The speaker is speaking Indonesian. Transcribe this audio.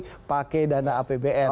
pak jokowi pakai dana apbn